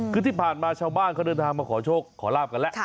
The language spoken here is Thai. คือที่ผ่านมาชาวบ้านเขาเดินทางมาขอโชคขอลาบกันแล้ว